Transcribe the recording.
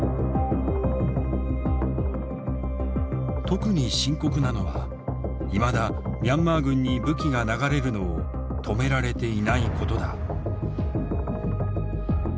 特に深刻なのはいまだミャンマー軍に武器が流れるのを止められていないことだ。